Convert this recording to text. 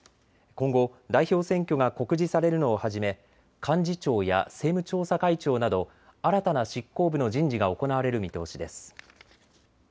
今後、代表選挙が告示されるのをはじめ幹事長や政務調査会長など新たな執行部の人事が行われる見通しです。